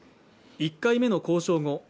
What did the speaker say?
１回目の交渉後